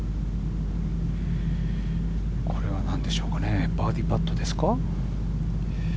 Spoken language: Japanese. これはなんでしょうかねバーディーパットですか。